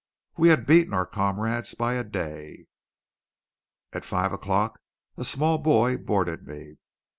We had beaten out our comrades by a day! At five o'clock a small boy boarded me.